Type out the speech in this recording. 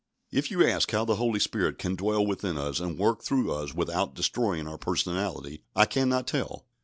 If you ask how the Holy Spirit can dwell within us and work through us without destroying our personality, I cannot tell.